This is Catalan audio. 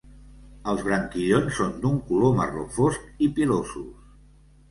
Els branquillons són d'un color marró fosc i pilosos.